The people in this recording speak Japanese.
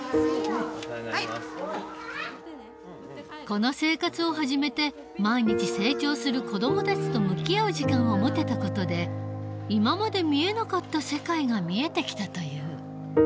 この生活を始めて毎日成長する子どもたちと向き合う時間を持てた事で今まで見えなかった世界が見えてきたという。